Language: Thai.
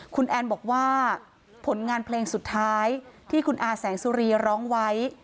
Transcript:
คุณแอนบอกว่าผลงานเพลงสุดท้ายที่คุณอาแสงสุรีร้องไว้